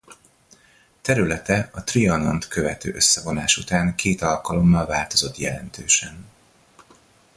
Területe a trianont követő összevonás után két alkalommal változott jelentősen.